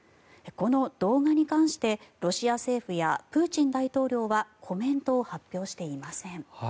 この動画に関してロシア政府やプーチン大統領はコメントを発表していません。